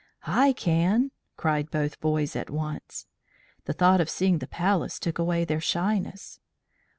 "I can!" cried both boys at once. The thought of seeing the Palace took away their shyness.